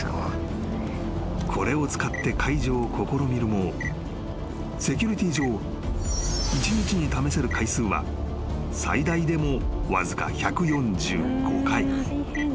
［これを使って解除を試みるもセキュリティー上１日に試せる回数は最大でもわずか１４５回］